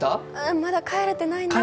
まだ帰れてないんです。